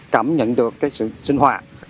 cảm nhận được sự sinh hoạt